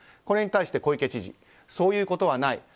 これに対して小池知事そういうことはない。